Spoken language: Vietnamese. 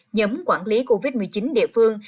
nhóm quản lý covid một mươi chín địa phương